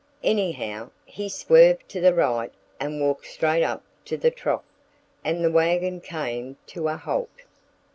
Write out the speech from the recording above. Anyhow, he swerved to the right and walked straight up to the trough. And the wagon came to a halt.